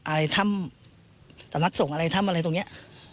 อะไรท่ำสมัครส่งอะไรท่ำอะไรตรงเนี้ย